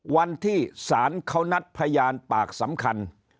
วันที่ศาลเขานัดพยานปากสำคัญ